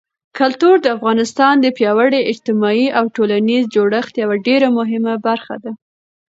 کلتور د افغانستان د پیاوړي اجتماعي او ټولنیز جوړښت یوه ډېره مهمه برخه ده.